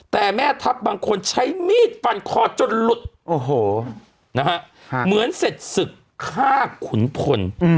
แต่แม่ทัพบางคนใช้มีดฟันคอจนหลุดโอ้โหนะฮะเหมือนเสร็จศึกฆ่าขุนพล